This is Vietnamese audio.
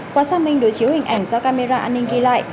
qua xác minh đối chiếu hình ảnh do camera an ninh ghi lại